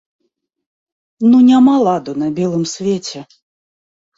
Ну няма ладу на белым свеце!